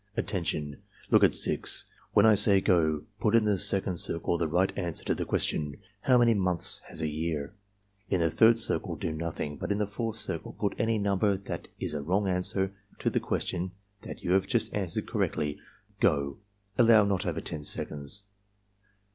"Attention! Look at 6. When I say 'go' put in the second circle the right answer to the question: 'How many months has a year?' In the third circle do nothing, but in the fourth circle put any nimiber that is a wrong answer to the question that you have just answered correctly. — Go!" (Allow not over 10 seconds.)